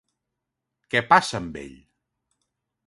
Què passa amb ell?